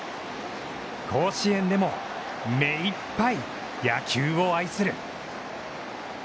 甲子園でも目いっぱい野球を愛する。